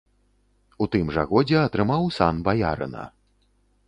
У тым жа годзе атрымаў сан баярына.